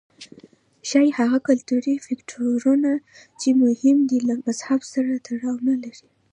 ښايي هغه کلتوري فکټورونه چې مهم دي له مذهب سره تړاو نه لري.